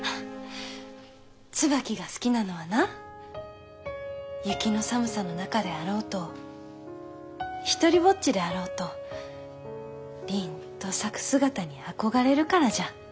椿が好きなのはな雪の寒さの中であろうと独りぼっちであろうとりんと咲く姿に憧れるからじゃ。